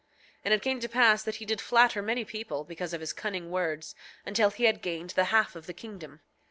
And it came to pass that he did flatter many people, because of his cunning words, until he had gained the half of the kingdom.